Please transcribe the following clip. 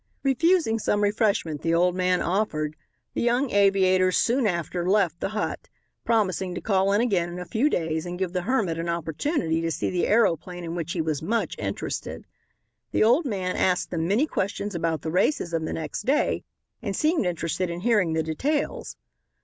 Refusing some refreshment the old man offered, the young aviators soon after left the hut, promising to call in again in a few days and give the hermit an opportunity to see the aeroplane in which he was much interested. The old man asked them many questions about the races of the next day and seemed interested in hearing the details.